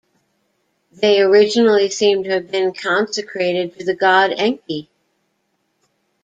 They originally seem to have been consecrated to the god Enki.